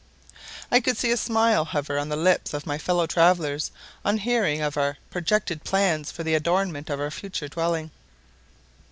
I could see a smile hover on the lips of my fellow travellers on hearing of our projected plans for the adornment of our future dwelling.